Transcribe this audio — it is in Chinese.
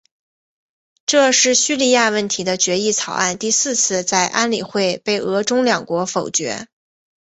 这是叙利亚问题的决议草案第四次在安理会被俄中两国否决。